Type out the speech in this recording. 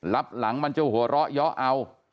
รับหลังมันจะหัวเราะเยาะเอา